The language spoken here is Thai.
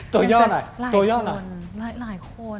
ตัวย่อหน่อยตัวย่อหน่อยหลายคนหลายคน